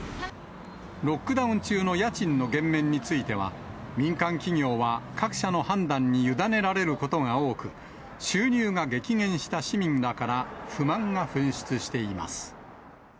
ロックダウン中の家賃の減免については、民間企業は各社の判断に委ねられることが多く、収入が激減した市民らから不満が噴出しています。